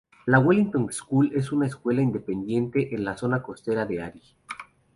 La Wellington School es una escuela independiente en la zona costera de Ayr.